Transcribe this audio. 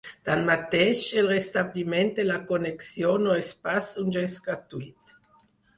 Tanmateix, el restabliment de la connexió no és pas un gest gratuït.